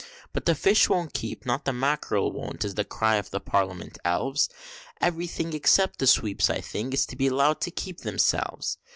But the fish won't keep, not the mackerel won't, is the cry of the Parliament elves, Everything, except the sweeps I think, is to be allowed to keep themselves!